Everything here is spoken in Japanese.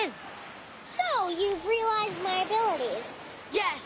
よし！